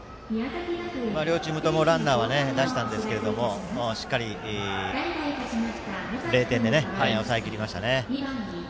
両チームともランナーは出したんですけどもしっかり０点で抑えきりましたね。